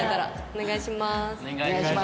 お願いします。